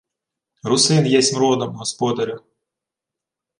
— Русин єсмь родом, господарю.